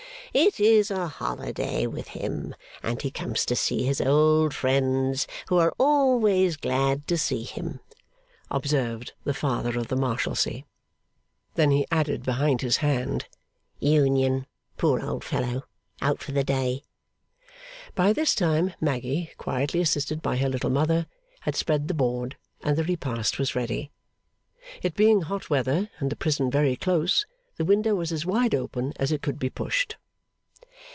'It is a holiday with him, and he comes to see his old friends, who are always glad to see him,' observed the Father of the Marshalsea. Then he added behind his hand, ['Union, poor old fellow. Out for the day.') By this time Maggy, quietly assisted by her Little Mother, had spread the board, and the repast was ready. It being hot weather and the prison very close, the window was as wide open as it could be pushed.